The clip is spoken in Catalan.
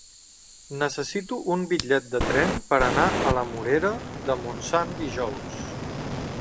Necessito un bitllet de tren per anar a la Morera de Montsant dijous.